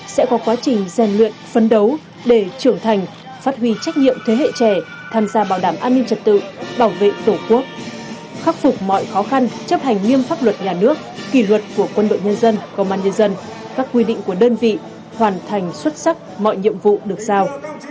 sẽ có quá trình gian luyện phấn đấu để trưởng thành phát huy trách nhiệm thế hệ trẻ tham gia bảo đảm an ninh trật tự bảo vệ tổ quốc khắc phục mọi khó khăn chấp hành nghiêm pháp luật nhà nước kỷ luật của quân đội nhân dân công an nhân dân các quy định của đơn vị hoàn thành xuất sắc mọi nhiệm vụ được sao